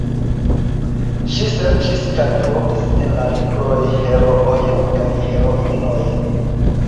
Ŝi serĉis kaj trovis en la libroj heroojn kaj heroinojn.